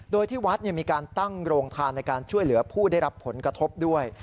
โดยที่วัดมีการตั้งโรงทานในการช่วยเหลือผู้ได้รับผลกระทบด้วย